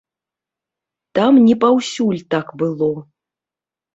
Там не паўсюль так было.